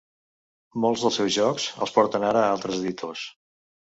Molts dels seus jocs els porten ara altres editors.